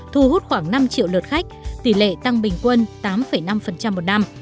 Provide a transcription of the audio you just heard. thu hút khoảng năm triệu lượt khách tỷ lệ tăng bình quân tám năm một năm